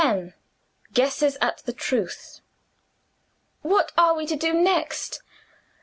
GUESSES AT THE TRUTH. "What are we to do next?